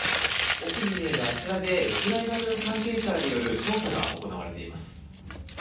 奥に見えるあちらで、ウクライナ軍関係者らによる調査が行われています。